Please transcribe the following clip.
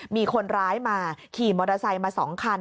มีคนร้ายมาขี่มอเตอร์ไซค์มา๒คัน